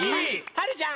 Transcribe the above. はるちゃん。